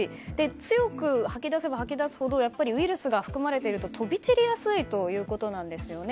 強く吐き出せば吐き出すほどウイルスが含まれていると飛び散りやすいということです。